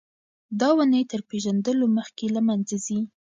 دا ونې تر پېژندلو مخکې له منځه ځي.